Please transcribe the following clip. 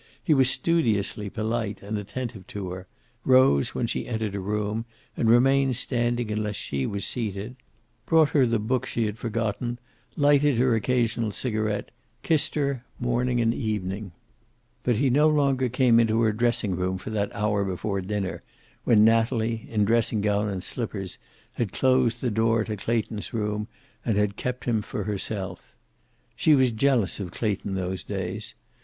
He was studiously polite and attentive to her, rose when she entered a room and remained standing until she was seated, brought her the book she had forgotten, lighted her occasional cigaret, kissed her morning and evening. But he no longer came into her dressing room for that hour before dinner when Natalie, in dressing gown and slippers, had closed the door to Clayton's room and had kept him for herself. She was jealous of Clayton those days.